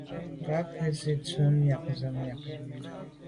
Kâ gə́ zí’jú tɔ̌ míɛ̂nʤám mjɛ̂k mú à yá.